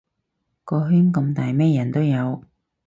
個圈咁大咩人都有